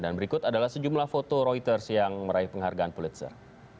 dan berikut adalah sejumlah foto reuters yang meraih penghargaan pulitzer